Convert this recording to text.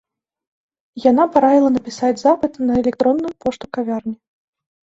Яна параіла напісаць запыт на электронную пошту кавярні.